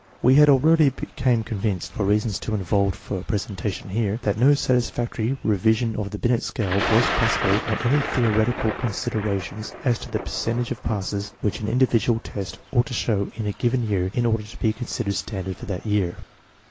We had already become convinced, for reasons too involved for presentation here, that no satisfactory revision of the Binet scale was possible on any theoretical considera tions as to the percentage of passes which an individual test ought to show in a given year in order to be consid ered standard for that year.